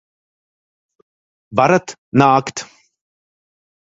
Varat nākt!